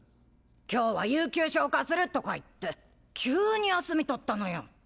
今日は有休消化するとか言って急に休み取ったのよ。